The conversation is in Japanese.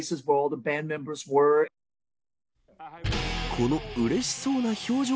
このうれしそうな表情。